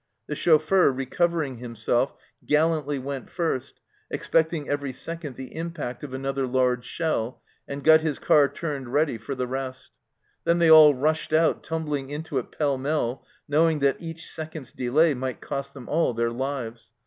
The chauffeur, recover ing himself, gallantly went first, expecting every second the impact of another large shell, and got his car turned ready for the rest; then they all rushed out, tumbling into it pell mell, knowing that each second's delay might cost them all their lives.